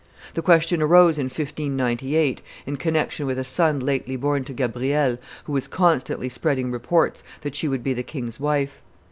The question arose in in 1598, in connection with a son lately born to Gabrielle, who was constantly spreading reports that she would be the king's wife.